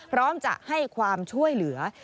พร้อมจะให้ความช่วยเหลือ